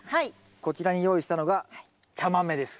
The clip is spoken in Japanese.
こちらに用意したのが茶豆です。